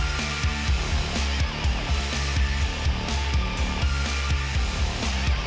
สวัสดีครับ